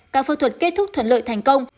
các phẫu thuật kết thúc thuận lợi thành công